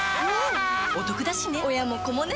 おトクだしね